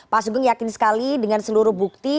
pak sugeng yakin sekali dengan seluruh bukti